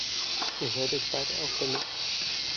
Ihr hört jetzt beide auf damit!